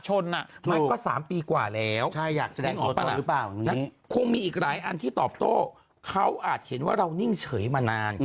จงบอกสเปคที่เห็นแล้วแพ้มาก